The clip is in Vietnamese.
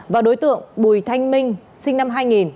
và đối tượng bùi thanh minh sinh năm hai nghìn